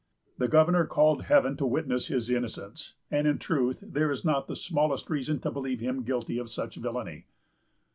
The governor called Heaven to witness his innocence; and, in truth, there is not the smallest reason to believe him guilty of such villany.